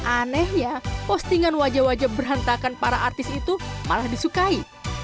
aneh ya postingan wajah wajah berantakan para artis itu malah disukai